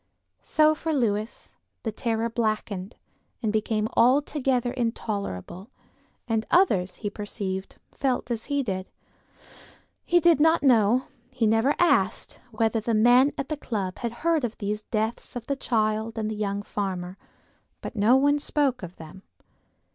So for Lewis the terror blackened and became altogether intolerable, and others, he perceived, felt as he did. He did not know, he never asked whether the men at the club had heard of these deaths of the child and the young farmer; but no one spoke of them.